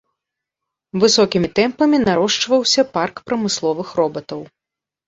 Высокімі тэмпамі нарошчваўся парк прамысловых робатаў.